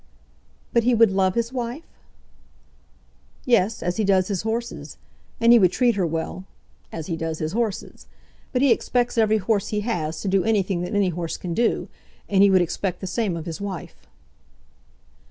"But he would love his wife?" "Yes, as he does his horses. And he would treat her well, as he does his horses. But he expects every horse he has to do anything that any horse can do; and he would expect the same of his wife."